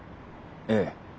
ええ。